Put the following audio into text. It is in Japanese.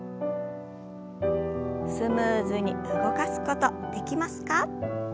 スムーズに動かすことできますか？